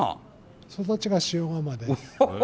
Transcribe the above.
育ちが塩竈です。